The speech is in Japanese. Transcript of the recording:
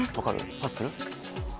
パスする？